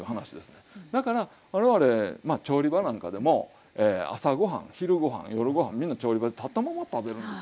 だから我々調理場なんかでも朝ご飯昼ご飯夜ご飯みんな調理場で立ったまま食べるんです。